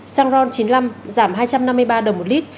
xăng ron chín mươi năm giảm hai trăm năm mươi ba đồng một lít